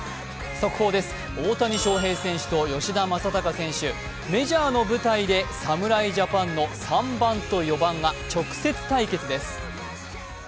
速報です、大谷翔平選手と吉田正尚選手、メジャーの舞台で侍ジャパンの３番と４番が直接対決です。